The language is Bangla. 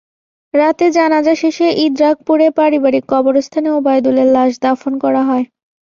রাতে জানাজা শেষে ইদ্রাকপুরে পারিবারিক কবরস্থানে ওবায়দুলের লাশ দাফন করা হয়।